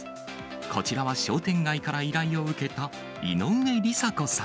こちらは商店街から依頼を受けた井上利里子さん。